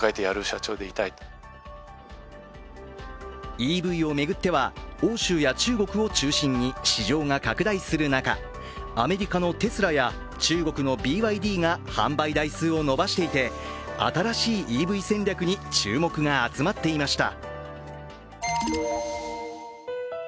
ＥＶを巡っては、欧州や中国を中心に市場が拡大する中、アメリカのテスラや中国のＢＹＤが販売台数を伸ばしていて、新しいＥＶ戦略に注目が集まっていました。